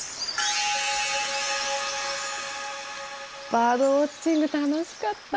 バードウォッチング楽しかった。